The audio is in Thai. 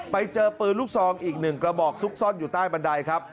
ไปเจอปืนลูกซองอีกหนึ่งกระบอกซุกซ่อนอยู่ใต้บันไดครับ